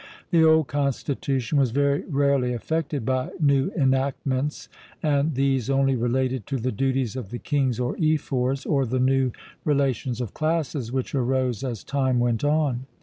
The old constitution was very rarely affected by new enactments, and these only related to the duties of the Kings or Ephors, or the new relations of classes which arose as time went on.